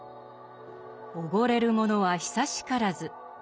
「おごれるものは久しからず」。